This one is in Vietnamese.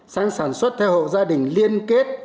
sang sản xuất theo hộ gia đình liên kết